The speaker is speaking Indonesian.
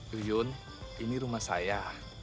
yuyun ini rumah saya